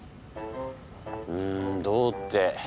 うんどうって。